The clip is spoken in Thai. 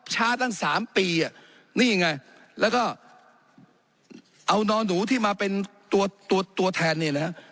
ช้าตั้ง๓ปีนี่ไงแล้วก็เอานอนหนูที่มาเป็นตัวตัวแทนเนี่ยนะฮะ